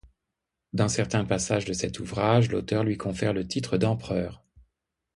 Dans certains passages de cet ouvrage, l'auteur lui confère le titre d'empereur.